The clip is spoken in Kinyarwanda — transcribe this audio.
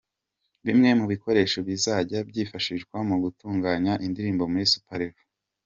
Bimwe mu bikoresho bizajya byifashishwa mu gutunganya indirimbo muri Super Level.